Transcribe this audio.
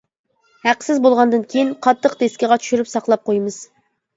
ھەقسىز بولغاندىن كىيىن قاتتىق دىسكىغا چۈشۈرۈپ ساقلاپ قويمىز.